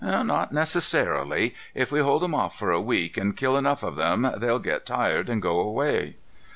"Not necessarily. If we hold them off for a week and kill enough of them, they'll get tired and go away."